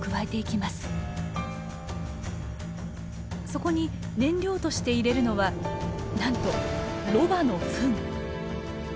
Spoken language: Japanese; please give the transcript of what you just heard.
そこに燃料として入れるのはなんとロバのふん。